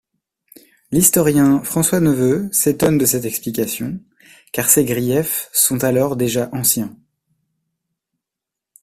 L'historien François Neveux s’étonne de cette explication, car ces griefs sont alors déjà anciens.